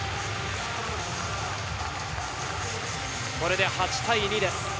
これで８対２です。